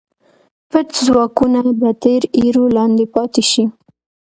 پټ ځواکونه به تر ایرو لاندې پاتې شي.